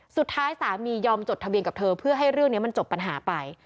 สุดท้ายสามียอมจดทะเบียนกับเธอเพื่อให้เรื่องนี้มันจบปัญหาไป